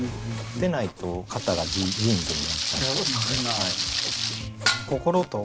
でないと型がジーンズになっちゃうと思うので。